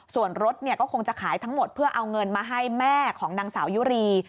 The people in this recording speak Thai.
ส่วนรถก็คงจะขายทั้งหมดเพื่อเอาเงินมาให้แม่ของนางสาวยุรี